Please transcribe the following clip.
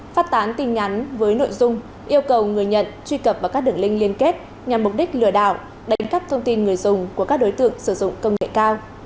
phát tán tin nhắn với nội dung yêu cầu người nhận truy cập vào các đường link liên kết nhằm mục đích lừa đảo đánh cắp thông tin người dùng của các đối tượng sử dụng công nghệ cao